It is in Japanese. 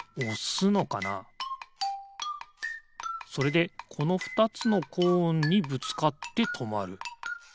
それでこの２つのコーンにぶつかってとまる。